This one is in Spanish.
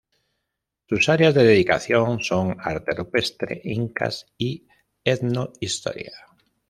Sus áreas de dedicación son arte rupestre, incas y etnohistoria.